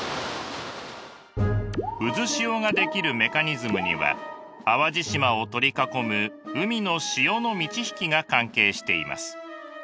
渦潮ができるメカニズムには淡路島を取り囲む海の潮の満ち引きが関係しています。